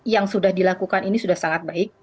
yang sudah dilakukan ini sudah sangat baik